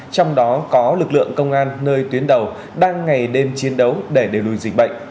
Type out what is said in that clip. trong đó có lực lượng công an nơi tuyến đầu đang ngày đêm chiến đấu để đẩy lùi dịch bệnh